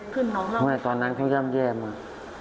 คุณน้องเล่าไม่ตอนนั้นเขาย่ำแย่มาก